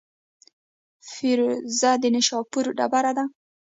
فیروزه د نیشاپور ډبره ده.